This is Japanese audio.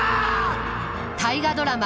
大河ドラマ